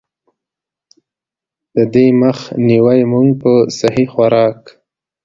د دې مخ نيوے مونږ پۀ سهي خوراک ،